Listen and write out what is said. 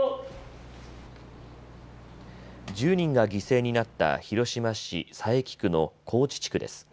１０人が犠牲になった広島市佐伯区の河内地区です。